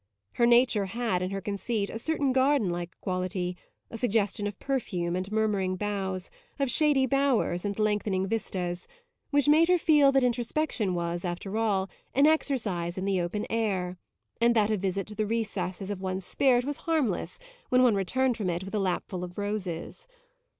Her nature had, in her conceit, a certain garden like quality, a suggestion of perfume and murmuring boughs, of shady bowers and lengthening vistas, which made her feel that introspection was, after all, an exercise in the open air, and that a visit to the recesses of one's spirit was harmless when one returned from it with a lapful of roses.